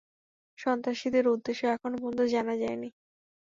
সন্ত্রাসীদের উদ্দেশ্য এখনও পর্যন্ত জানা যায় নি।